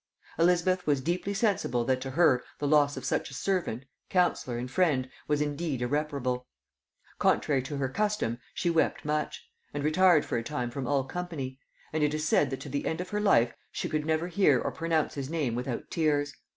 Elizabeth was deeply sensible that to her the loss of such a servant, counsellor, and friend was indeed irreparable. Contrary to her custom, she wept much; and retired for a time from all company; and it is said that to the end of her life she could never hear or pronounce his name without tears.